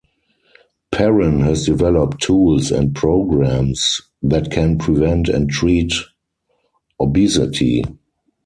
Perrin has developed tools and programs that can prevent and treat obesity.